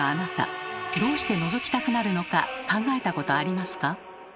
どうしてのぞきたくなるのか考えたことありますか？